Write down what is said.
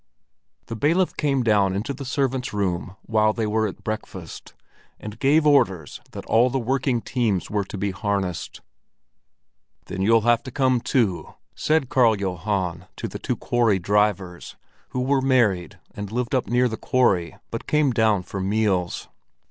The bailiff came down into the servants' room while they were at breakfast, and gave orders that all the working teams were to be harnessed. "Then you'll have to come too!" said Karl Johan to the two quarry drivers, who were married and lived up near the quarry, but came down for meals.